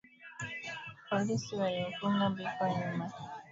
Polisi walimfunga Biko nyuma gari aina ya Land Rover akiwa uchi